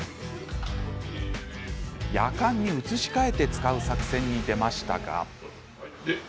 やかんに移し替えて使う作戦に出ましたが。